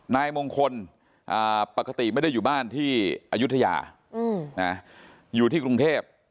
นายมงคลปกติไม่ได้อยู่บ้านที่อายุทยาอยู่ที่กรุงเทพ